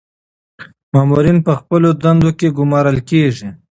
مامورین په خپلو دندو ګمارل کیږي.